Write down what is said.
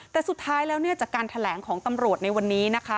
แต่สุดท้ายแล้วเนี่ยจากการแถลงของตำรวจในวันนี้นะคะ